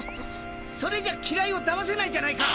それじゃ機雷をだませないじゃないか。